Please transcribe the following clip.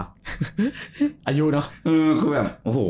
อายุเนอะ